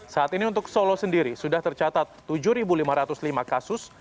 saat ini untuk solo sendiri sudah tercatat tujuh lima ratus lima kasus